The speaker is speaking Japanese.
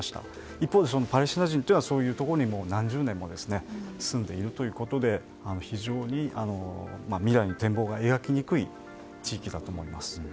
一方でパレスチナ人はそういうところに何十年も住んでいるということで非常に未来の展望が描きにくい地域だと思います。